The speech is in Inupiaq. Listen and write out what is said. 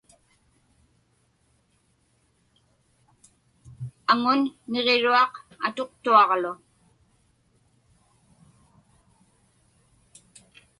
Aŋun niġiruaq atuqtuaġlu.